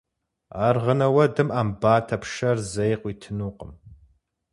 Аргъынэ уэдым Ӏэмбатэ пшэр зэи къуитынукъым.